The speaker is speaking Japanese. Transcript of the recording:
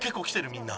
みんな。